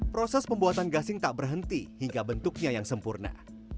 proses pembuatan gasing tak berhenti hingga bentuknya yang sempurna